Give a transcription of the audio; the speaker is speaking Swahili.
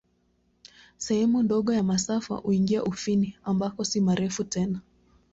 Sehemu ndogo ya masafa huingia Ufini, ambako si marefu tena.